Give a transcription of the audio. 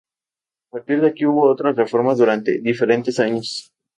A partir de aquí hubo otras reformas durante diferentes años.